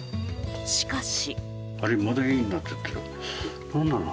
しかし。